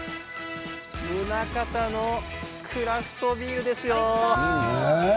宗像のクラフトビールですよ。